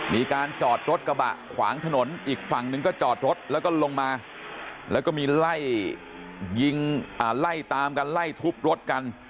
มีการจอดรถกระบะขวางถนนอีกฝั่งหนึ่งก็จอดรถแล้วก็ลงมาแล้วก็มีไล่ยิงไล่ตามกันไล่ทุบรถกัน